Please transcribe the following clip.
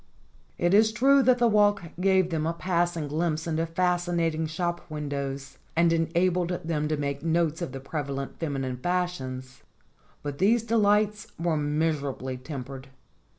It is true that the walk gave them a passing glimpse into fascinating shop windows, and enabled them to make notes of the prevalent feminine fashions; but these delights were miserably tempered.